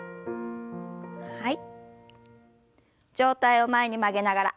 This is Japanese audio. はい。